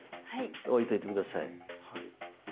置いといて下さい。